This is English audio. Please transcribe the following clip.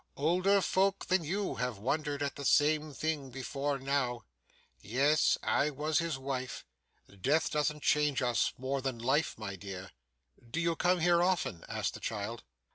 Older folk than you have wondered at the same thing before now. Yes, I was his wife. Death doesn't change us more than life, my dear.' 'Do you come here often?' asked the child.